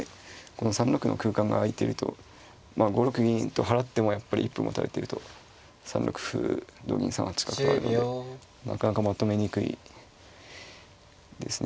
この３六の空間が空いてるとまあ５六銀と払ってもやっぱり一歩持たれてると３六歩同銀３八角があるのでなかなかまとめにくいですね。